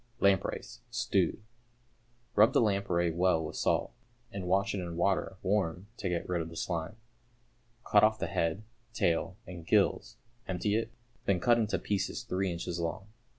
=Lampreys, Stewed.= Rub the lamprey well with salt, and wash it in water (warm) to get rid of the slime. Cut off the head, tail, and gills, empty it, then cut into pieces three inches long.